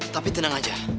tapi tenang aja